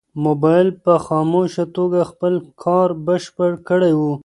موبایل په خاموشه توګه خپل کار بشپړ کړی و.